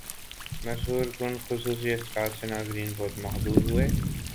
مسحور کن خصوصی اثرات سے ناظرین بہت محظوظ ہوئے